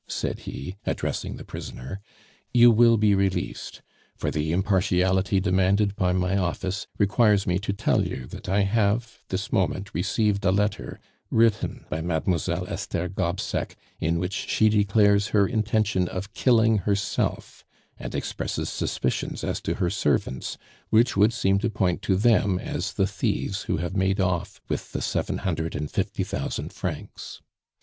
said he, addressing the prisoner "you will be released; for the impartiality demanded by my office requires me to tell you that I have this moment received a letter, written by Mademoiselle Esther Gobseck, in which she declares her intention of killing herself, and expresses suspicions as to her servants, which would seem to point to them as the thieves who have made off with the seven hundred and fifty thousand francs."